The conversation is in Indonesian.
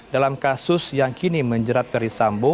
dalam kasus yang kini menjerat ferry sambo